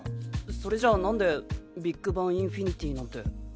それじゃあなんでビッグバン・インフィニティーなんて。